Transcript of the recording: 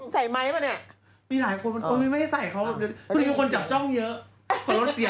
ใส่ไมค์ไหมเนี่ย